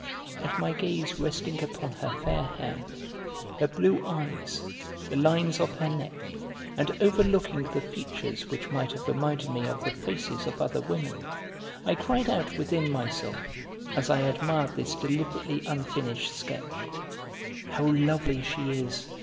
And my gaze resting upon her fair hair, her blue eyes, the lines of her neck, and overlooking the features which might have reminded me of the faces of other women, I cried out within myself, as I admired this deliberately unfinished sketch: "How lovely she is!